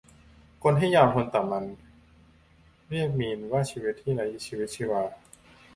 คนที่ยอมทนต่อมัน เรียกมีนว่าชีวิตที่ไร้ชีวิตชีวา